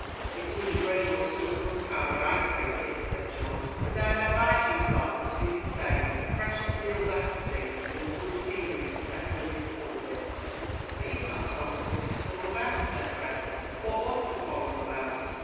"It's with a grain or two of gunpowder, I'd take it," said George, "and I'd advise you, father, to do the same; a precious deal better thing than good feeling to settle an insult with." "But you've not told us what it's all about?" said Fred; "what was the quarrel about?"